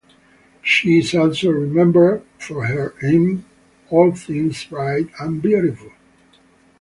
She is also remembered for her hymn "All Things Bright and Beautiful".